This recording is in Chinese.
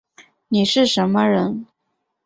你是什么人